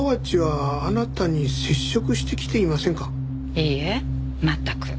いいえ全く。